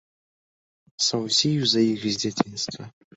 Заўзею за іх з дзяцінства.